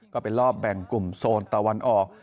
ก็เป็นรอบแบ่งกลุ่มโซนตะวันออก